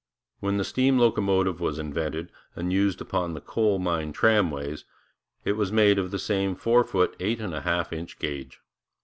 When the steam locomotive was invented, and used upon the coal mine tramways, it was made of the same four foot eight and a half inch gauge.